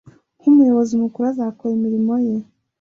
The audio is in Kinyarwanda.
nk umuyobozi mukuru azakora imirimo ye